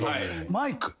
マイク？